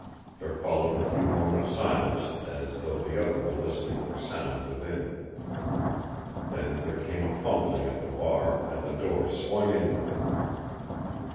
There followed a few moments silence, as though the other were listening for sound within. Then there came a fumbling at the bar and the door swung inward.